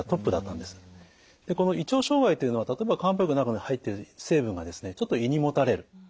でこの胃腸障害というのは例えば漢方薬の中に入っている成分がちょっと胃にもたれる。